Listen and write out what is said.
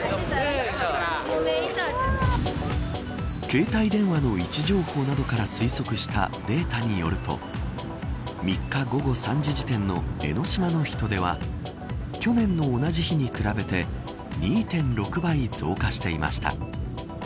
携帯電話の位置情報などから推測したデータによると３日、午後３時時点の江ノ島の人出は去年の同じ日に比べて２．６倍増加していました。